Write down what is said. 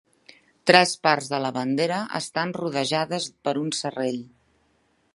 Tres parts de la bandera estan rodejades per un serrell.